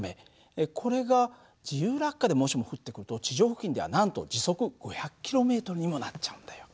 これが自由落下でもしも降ってくると地上付近ではなんと時速５００ｋｍにもなっちゃうんだよ。